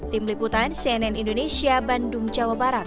tim liputan cnn indonesia bandung jawa barat